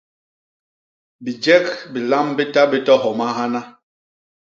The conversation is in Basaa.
Bijek bilam bi ta bé to homa hana!